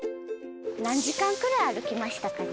何時間くらい歩きましたかね？